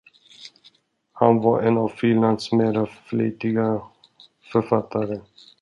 Han var en av Finlands mera flitiga författare.